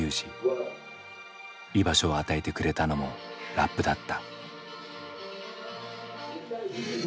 居場所を与えてくれたのもラップだった。